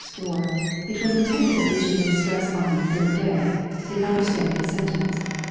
4, it was intended that we should lay stress on the third day, in understanding the sen tence.